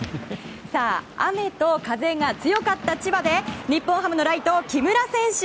雨と風が強かった千葉で日本ハムのライト、木村選手。